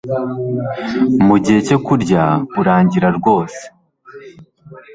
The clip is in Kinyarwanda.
mu gihe cyo kurya urangira rwose